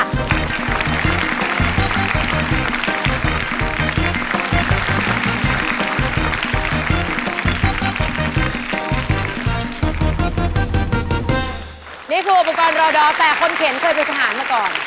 นี่คืออุปกรณ์รอดอแต่คนเข็นเคยเป็นทหารมาก่อน